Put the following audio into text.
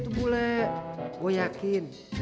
itu bule gue yakin